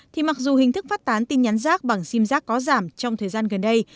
thì mặc dù hình thức phát tán tin nhắn rác bằng sim giác có giảm trong thời gian gần đây